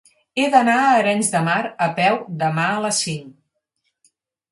He d'anar a Arenys de Mar a peu demà a les cinc.